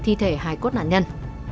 thi thể hải cốt nạn nhân